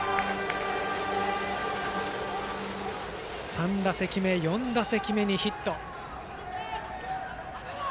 ３打席目、４打席目にヒット。